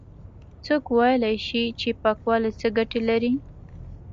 څوک ويلاى شي چې پاکوالی څه گټې لري؟